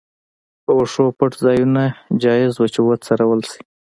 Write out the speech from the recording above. په وښو پټ ځایونه جایز وو چې وڅرول شي.